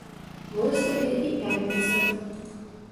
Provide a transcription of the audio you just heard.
Вось табе і пятніца!